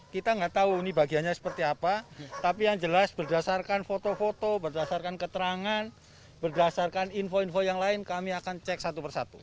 kita nggak tahu ini bagiannya seperti apa tapi yang jelas berdasarkan foto foto berdasarkan keterangan berdasarkan info info yang lain kami akan cek satu persatu